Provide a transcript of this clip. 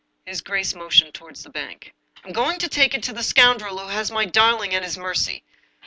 His grace motioned toward the bank. " I'm going to take it to the scoundrel who has my darling at his mercy.